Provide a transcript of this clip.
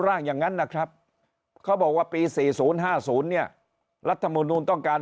ร่างอย่างนั้นนะครับเขาบอกว่าปี๔๐๕๐เนี่ยรัฐมนูลต้องการ